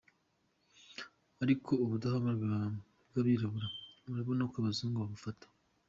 Ariko ubudahangarwa bw’abirabura urabona uko abazungu babufata.